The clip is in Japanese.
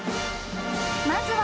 まずは］